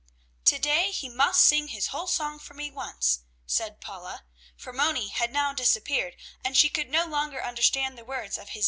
"To day he must sing his whole song for me once," said Paula, for Moni had now disappeared and she could no longer understand the words of his distant song.